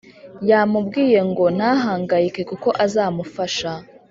yamubwiye ngo ntahangayike kuko azamufasha